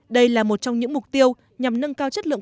đây là một trong những mục tiêu nhằm nâng cao chất lượng